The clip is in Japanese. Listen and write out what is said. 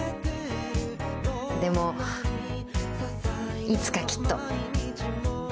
でもいつかきっと。